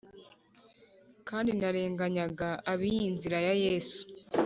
Kandi narenganyaga ab iyi Nzira ya Yesu